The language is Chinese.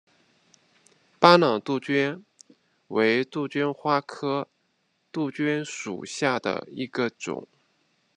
巴朗杜鹃为杜鹃花科杜鹃属下的一个种。